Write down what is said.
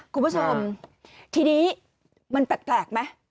คุณผู้ชมทีนี้มันแปลกไหม